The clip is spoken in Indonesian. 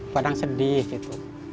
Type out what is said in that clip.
kadang sedih gitu